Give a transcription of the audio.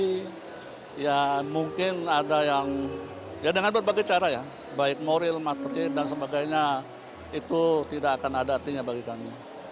ya mungkin ada yang ya dengan berbagai cara ya baik moral materi dan sebagainya itu tidak akan ada artinya bagi kami